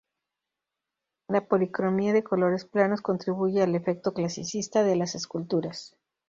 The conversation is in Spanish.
La policromía de colores planos contribuye al efecto clasicista de las esculturas.